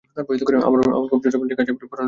আবার খুব ছোট বাচ্চা হলে কাচের চুড়ি পরানো ঠিক হবে না।